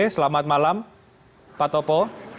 selamat malam pak topo